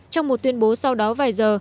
trong một tuyên bố sau đó vài giờ